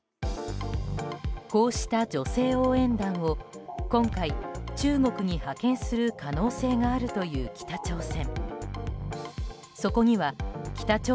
こうした女性応援団を今回、中国に派遣する可能性があるという北朝鮮。